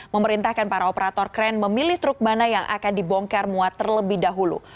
memerintahkan para operator kren memilih truk mana yang akan dibongkar muat terlebih dahulu